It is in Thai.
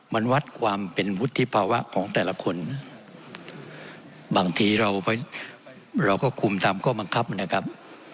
มันวัดความเป็นวุฒิภาวะของแต่ละคนบางทีเราเราก็คุมตามข้อบังคับนะครับ